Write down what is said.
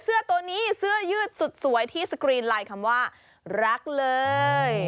เสื้อตัวนี้เสื้อยืดสุดสวยที่สกรีนไลน์คำว่ารักเลย